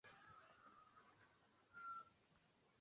mataifa mengine yalikataa kushiriki katika kuunda mkataba huo